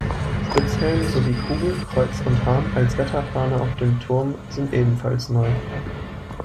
Spitzhelm sowie Kugel, Kreuz und Hahn als Wetterfahne auf dem Turm sind ebenfalls neu.